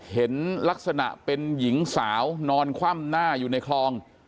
เห็นลักษณะเป็นหญิงสาวนอนคว่ำหน้าอยู่ในคลอง